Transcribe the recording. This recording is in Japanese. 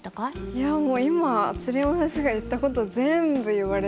いやもう今鶴山先生が言ったこと全部言われて。